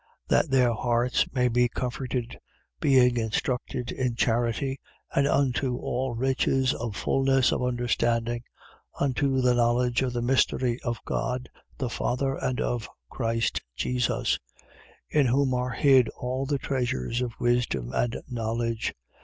That their hearts may be comforted, being instructed in charity and unto all riches of fulness of understanding, unto the knowledge of the mystery of God the Father and of Christ Jesus: 2:3. In whom are hid all the treasures of wisdom and knowledge.